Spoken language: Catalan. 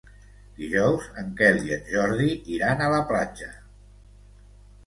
Dijous en Quel i en Jordi iran a la platja.